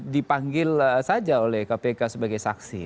dipanggil saja oleh kpk sebagai saksi